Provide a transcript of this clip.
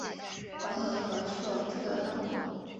包括和硕特汗国。